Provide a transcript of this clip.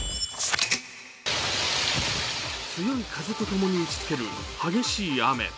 強い風とともに打ちつける激しい雨。